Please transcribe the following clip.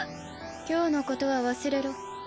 今日のことは忘れろ。